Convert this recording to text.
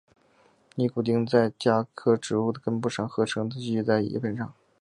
尼古丁在茄科植物的根部上合成并蓄积在叶片上。